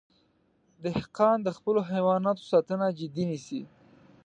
دهقان د خپلو حیواناتو ساتنه جدي نیسي.